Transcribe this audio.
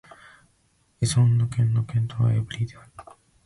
エソンヌ県の県都はエヴリーである